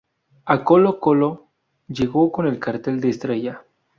A Colo Colo llegó con el cartel de estrella.